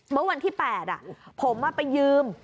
เมื่อวันที่๘ผมไปยืม